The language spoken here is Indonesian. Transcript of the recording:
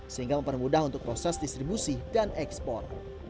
sehingga mempermudah untuk proses distribusi dan ekspor